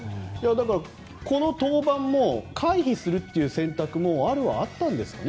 この登板も回避するという選択もあるはあったんですかね。